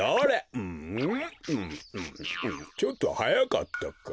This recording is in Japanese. ちょっとはやかったか。